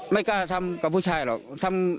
ไม่กล้าทำกับผู้ชายหรอก